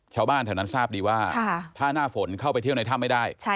ชาวบ้านแถวนั้นทราบดีว่าถ้าหน้าฝนเข้าไปเที่ยวในถ้ำไม่ได้